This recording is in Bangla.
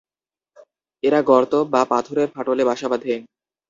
এরা গর্ত বা পাথরের ফাটলে বাসা বাঁধে।